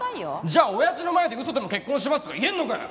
じゃあ親父の前でウソでも「結婚します」とか言えんのかよ！